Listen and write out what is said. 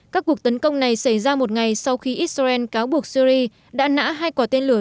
các cuộc tấn công này xảy ra một ngày sau khi israel cáo buộc syri đã nã hai quả tên lửa